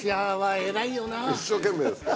一生懸命ですね。